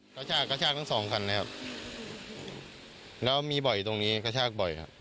กระชากกระชากทั้งสองคันนะครับแล้วมีบ่อยตรงนี้กระชากบ่อยครับ